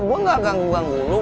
gue enggak ganggu ganggu lo